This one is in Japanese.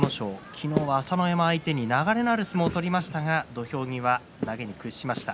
昨日の朝乃山相手に流れのある相撲を取りましたが土俵際、投げに屈しました。